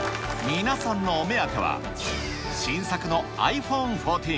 皆さんのお目当ては、新作のｉＰｈｏｎｅ１４。